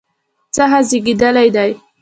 څخه زیږیدلی دی